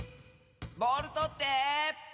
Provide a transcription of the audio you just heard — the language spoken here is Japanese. ボールとって！